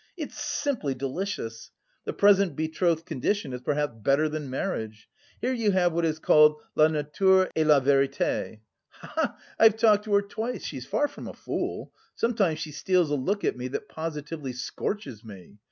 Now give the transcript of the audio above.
It's simply delicious! The present betrothed condition is perhaps better than marriage. Here you have what is called la nature et la vérité, ha ha! I've talked to her twice, she is far from a fool. Sometimes she steals a look at me that positively scorches me.